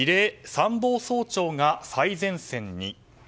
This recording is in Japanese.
参謀総長が最前線に。